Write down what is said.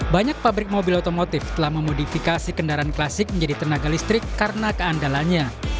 banyak pabrik mobil otomotif telah memodifikasi kendaraan klasik menjadi tenaga listrik karena keandalanya